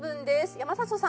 山里さん